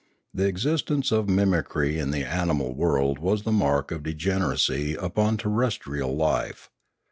The existence of mimicry in the animal world was the mark of degeneracy upon terrestrial life.